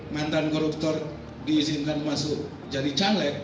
mantan koruptor diizinkan masuk jadi caleg